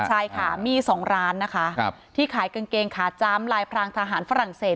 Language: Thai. ใช่ค่ะมี๒ร้านนะคะที่ขายกางเกงขาจำลายพรางทหารฝรั่งเศส